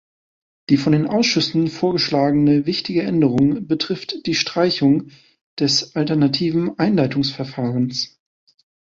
Die von den Ausschüssen vorgeschlagene wichtige Änderung betrifft die Streichung des alternativen Einleitungsverfahrens.